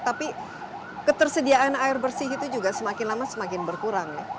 tapi ketersediaan air bersih itu juga semakin lama semakin berkurang ya